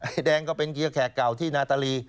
แดงก็เป็นเกียร์แขกเก่าที่นาตาลี